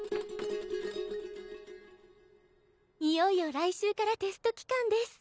いよいよ来週からテスト期間です。